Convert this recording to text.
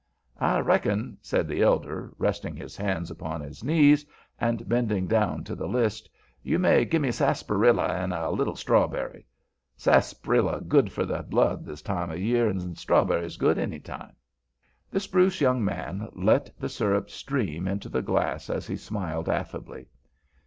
"I reckon," said the elder, resting his hands upon his knees and bending down to the list, "you may gimme sassprilla an' a little strawberry. Sassprilla's good for the blood this time er year, an' strawberry's good any time." The spruce young man let the syrup stream into the glass as he smiled affably.